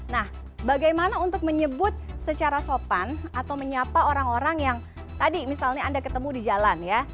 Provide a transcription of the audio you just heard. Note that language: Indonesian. nah bagaimana untuk menyebut secara sopan atau menyapa orang orang yang tadi misalnya anda ketemu di jalan ya